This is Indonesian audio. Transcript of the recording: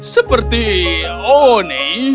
seperti oh ini